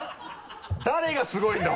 誰がすごいんだ？